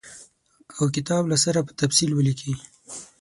او کتاب له سره په تفصیل ولیکي.